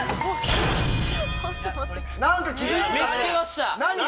何か気付いてたね。